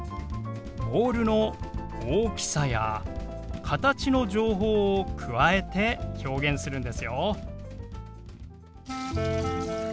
ボールの大きさや形の情報を加えて表現するんですよ。